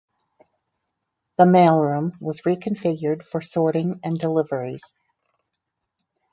The mailroom was reconfigured for sorting and deliveries.